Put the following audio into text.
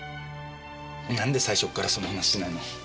なんで最初からその話しないの？